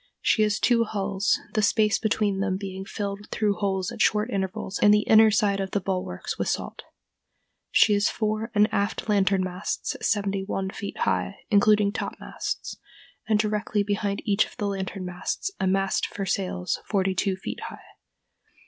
She has two hulls, the space between them being filled through holes at short intervals in the inner side of the bulwarks with salt.... She has fore and aft lantern masts seventy one feet high, including topmasts, and directly behind each of the lantern masts a mast for sails forty two feet high.